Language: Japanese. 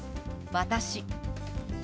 「私」。